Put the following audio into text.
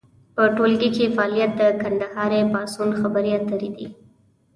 په ټولګي کې فعالیت د کندهار پاڅون خبرې اترې دي.